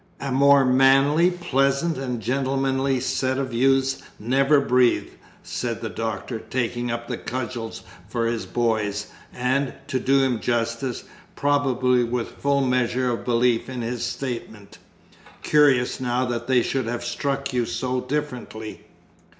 "A more manly, pleasant, and gentlemanly set of youths never breathed!" said the Doctor, taking up the cudgels for his boys, and, to do him justice, probably with full measure of belief in his statement. "Curious now that they should have struck you so differently!"